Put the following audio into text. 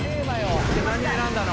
何選んだの？